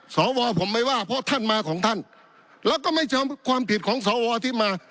สวผมไม่ว่าเพราะท่านมาของท่านแล้วก็ไม่เชิงความผิดของสวที่มา